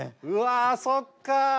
うわそっか。